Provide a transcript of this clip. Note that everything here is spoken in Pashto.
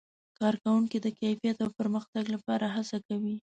کارکوونکي د کیفیت او پرمختګ لپاره هڅه کوي.